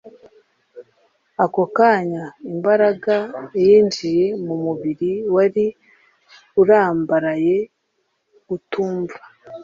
ako kanya, imbaraga yinjiye mu mubiri wari urambaraye utumva